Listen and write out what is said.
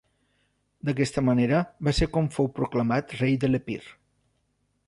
D'aquesta manera va ser com fou proclamat rei de l'Epir.